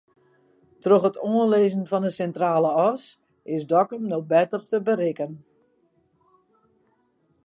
Troch it oanlizzen fan de Sintrale As is Dokkum no better te berikken.